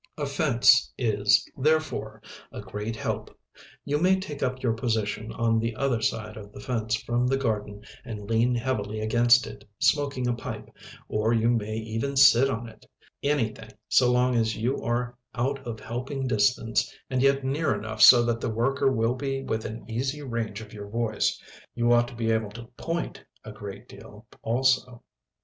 A fence is, therefore, a great help. You may take up your position on the other side of the fence from the garden and lean heavily against it smoking a pipe, or you may even sit on it. Anything so long as you are out of helping distance and yet near enough so that the worker will be within easy range of your voice. You ought to be able to point a great deal, also.